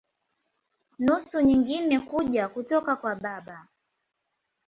Nusu nyingine kuja kutoka kwa baba.